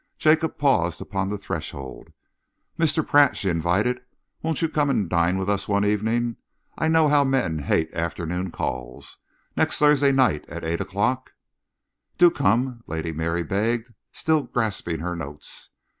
Jacob paused upon the threshold. "Mr. Pratt," she invited, "won't you come and dine with us one evening? I know how men hate afternoon calls. Next Thursday night, at eight o'clock?" "Do come," Lady Mary begged, still grasping her notes.